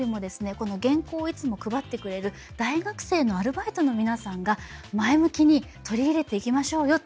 この原稿をいつも配ってくれる大学生のアルバイトの皆さんが前向きに取り入れていきましょうよと言ってくれたんです。